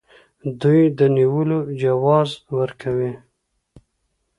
دوی د نیولو جواز ورکوي.